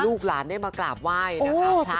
ลูกหลานได้มากราบไหว้นะครับ